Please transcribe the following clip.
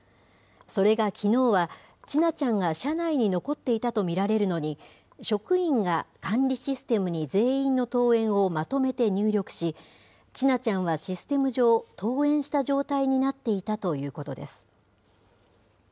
それが、きのうは千奈ちゃんが車内に残っていたと見られるのに、職員が管理システムに全員の登園をまとめて入力し、千奈ちゃんはシステム上、登園した状態になっていたということです。